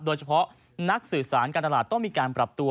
โดยเฉพาะนักสื่อสารการตลาดต้องมีการปรับตัว